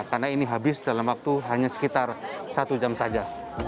karena ini habis dalam waktu hanya sekitar satu jam saja